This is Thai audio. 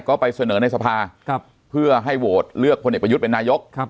ก็ไปเสนอในสภาเพื่อให้โหวตเลือกพลเอกประยุทธ์เป็นนายก